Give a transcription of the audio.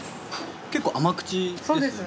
結構甘口ですよね？